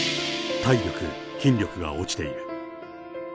体力、筋力が落ちている。